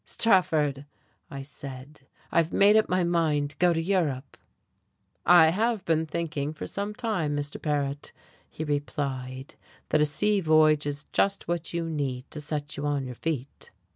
"Strafford," I said, "I've made up my mind to go to Europe." "I have been thinking for some time, Mr. Paret," he replied, "that a sea voyage is just what you need to set you on your feet."